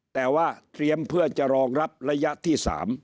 แต่ว่าเตรียมเพื่อจะรองรับระยะที่๓